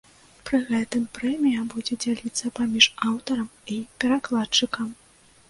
Пры гэтым прэмія будзе дзяліцца паміж аўтарам і перакладчыкам.